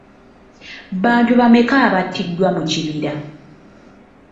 Bantu bameka abattiddwa mu kibira?